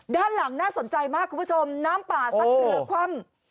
ด้านหลังน่าสนใจมากคุณผู้ชมน้ำป่าซัดเรือคว่ำ